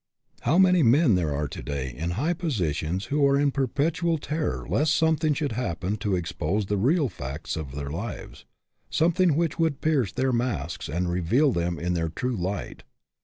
How many men there are, to day, in high positions who are in perpetual terror lest something should happen to expose the real facts of their lives something which would pierce their masks and reveal them in their true light.